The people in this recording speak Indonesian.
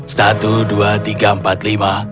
satu dua tiga empat lima